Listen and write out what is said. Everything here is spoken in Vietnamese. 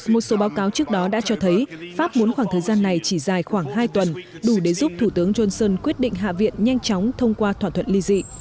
một số báo cáo trước đó đã cho thấy pháp muốn khoảng thời gian này chỉ dài khoảng hai tuần đủ để giúp thủ tướng johnson quyết định hạ viện nhanh chóng thông qua thỏa thuận ly dị